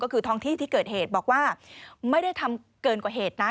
ก็คือท้องที่ที่เกิดเหตุบอกว่าไม่ได้ทำเกินกว่าเหตุนะ